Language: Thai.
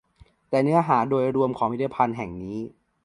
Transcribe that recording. แต่เนื้อหาโดยรวมของพิพิธภัณฑ์แห่งนี้